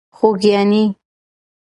خوږیاڼۍ.